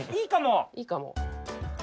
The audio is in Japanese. いいかも。